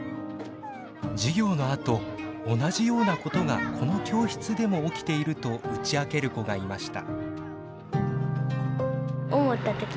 授業のあと同じようなことがこの教室でも起きていると打ち明ける子がいました。